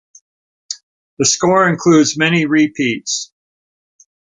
The score includes many repeats.